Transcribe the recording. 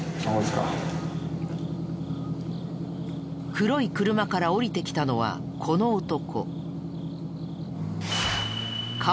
黒い車から降りてきたのはこの男。